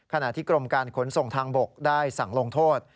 ขณะที่กรมการขนส่งทางบกได้สั่งลงโทษ